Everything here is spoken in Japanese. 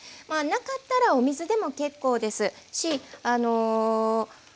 なかったらお水でも結構ですし。